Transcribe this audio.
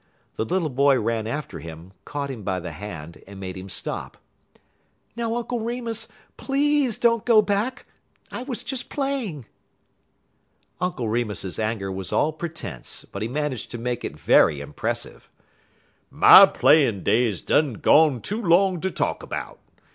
The little boy ran after him, caught him by the hand, and made him stop. "Now, Uncle Remus, please don't go back. I was just playing." Uncle Remus's anger was all pretence, but he managed to make it very impressive. "My playin' days done gone too long ter talk 'bout.